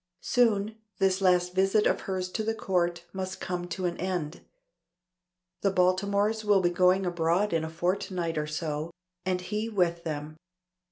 Soon this last visit of hers to the Court must come to an end. The Baltimores will be going abroad in a fortnight or so and he with them.